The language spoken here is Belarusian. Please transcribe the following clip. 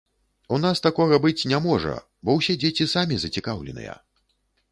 У нас такога быць не можа, бо ўсе дзеці самі зацікаўленыя.